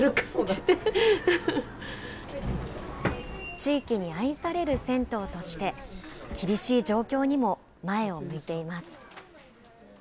地域に愛される銭湯として、厳しい状況にも前を向いています。